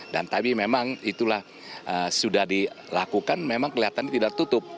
dan tapi memang itulah sudah dilakukan memang kelihatannya tidak tutup